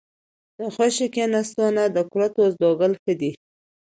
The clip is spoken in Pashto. ـ د خوشې کېناستو نه د کرتو زدولو ښه دي.